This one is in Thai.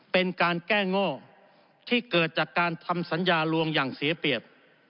เป็นการแก้ง่อที่เกิดจากการทำสัญญาลวงอย่างเสียเปรียบ